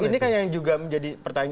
ini kan yang juga menjadi pertanyaan